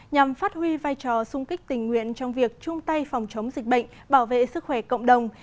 nhằm phát huy vai trò sung kích tình nguyện trong việc chung tay phòng chống dịch bệnh bảo vệ sức khỏe cộng đồng